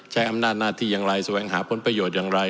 ใช้อำนาจหน้าที่อย่างไรแสวงหาผลประโยชน์อย่างไร